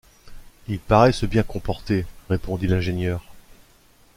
Il paraît se bien comporter, répondit l’ingénieur